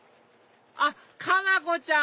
あっ佳菜子ちゃん！